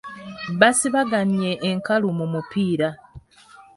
Basibaganye enkalu mu mupiira.